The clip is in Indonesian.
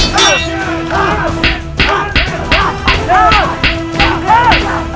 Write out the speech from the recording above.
beri uang kepada prabu